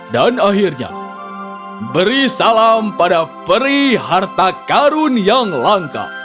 dan akhirnya beri salam pada peri harta karun yang langka